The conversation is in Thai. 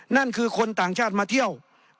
นั่นคือคนต่างชาติมาเที่ยว